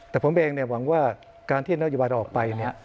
แต่ผมเองเนี่ยหวังว่าการที่นโยบายออกไปเนี่ย